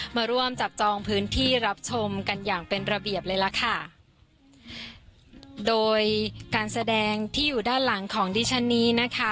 มาร่วมจับจองพื้นที่รับชมกันอย่างเป็นระเบียบเลยล่ะค่ะโดยการแสดงที่อยู่ด้านหลังของดิฉันนี้นะคะ